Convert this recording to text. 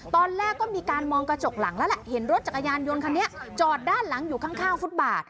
ตอนแรกก็มีการมองกระจกหลังแล้วแหละเห็นรถจักรยานยนต์คันนี้จอดด้านหลังอยู่ข้างฟุตบาท